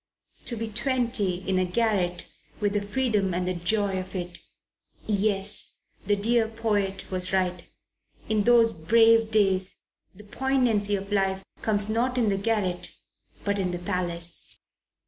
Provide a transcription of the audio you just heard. To be twenty, in a garret, with the freedom and the joy of it! Yes; the dear poet was right. In those "brave days" the poignancy of life comes not in the garret, but in the palace.